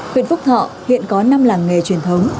huyện phúc thọ hiện có năm làng nghề truyền thống